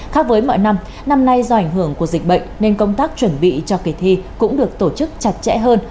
khác với mọi năm năm nay do ảnh hưởng của dịch bệnh nên công tác chuẩn bị cho kỳ thi cũng được tổ chức chặt chẽ hơn